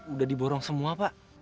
udah diborong semua pak